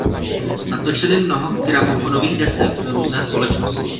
Natočili mnoho gramofonových desek pro různé společnosti.